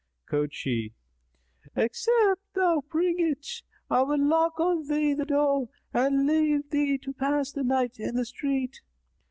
Quoth she, "Except thou bring it, I will lock on thee the door and leave thee to pass the night in the street."